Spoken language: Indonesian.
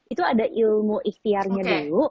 itu ada ilmu ikhtiarnya dulu